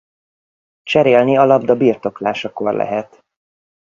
Cserélni a labda birtoklásakor lehet.